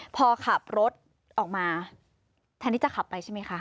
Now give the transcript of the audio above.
พอขับรถออกมาแทนที่จะขับไปใช่ไหมคะ